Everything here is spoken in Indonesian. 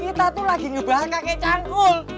kita tuh lagi ngebahas kakek cangkul